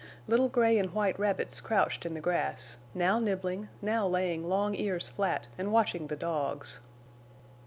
Little gray and white rabbits crouched in the grass, now nibbling, now laying long ears flat and watching the dogs.